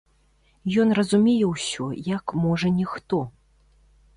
Ён разумее ўсё, як, можа, ніхто.